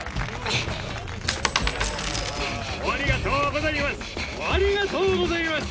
ありがとうございます！